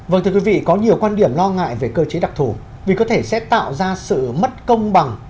vâng thưa quý vị có nhiều quan điểm lo ngại về cơ chế đặc thù vì có thể sẽ tạo ra sự mất công bằng